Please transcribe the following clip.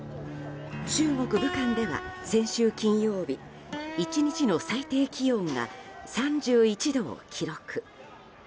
中国・武漢では先週金曜日１日の最低気温が３１度を記録。